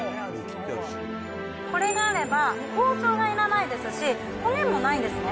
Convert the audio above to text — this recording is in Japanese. これがあれば、包丁がいらないですし、骨もないんですね。